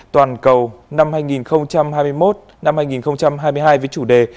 toàn cầu năm hai nghìn hai mươi một hai nghìn hai mươi hai với chủ đề